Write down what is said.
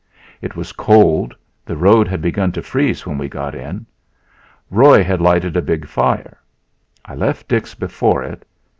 It was cold; the road had begun to freeze when we got in. Roy had lighted a big fire. I left Dix before it.